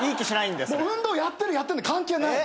もう運動やってるやってない関係ない。